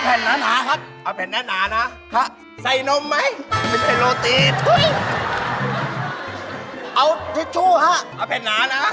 เองโดนนัดให้ไหวแล้วขาย